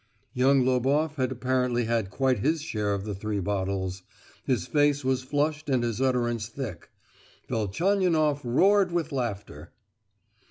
Young Loboff had apparently had quite his share of the three bottles, his face was flushed and his utterance thick. Velchaninoff roared with laughter.